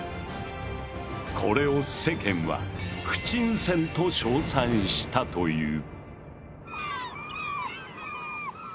これを世間は「不沈船」と称賛したという。